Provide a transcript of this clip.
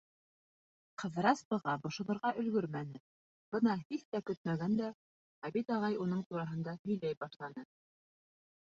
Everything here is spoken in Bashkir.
Ҡыҙырас быға бошонорға өлгөрмәне, бына һис тә көтмәгәндә, Ғәбит ағай уның тураһында һөйләй башланы.